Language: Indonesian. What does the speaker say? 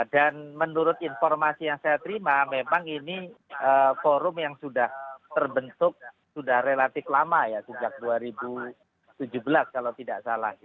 dan menurut informasi yang saya terima memang ini forum yang sudah terbentuk sudah relatif lama ya sejak dua ribu tujuh belas kalau tidak salah gitu ya